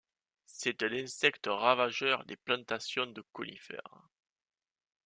C'est un insecte ravageur des plantations de conifères.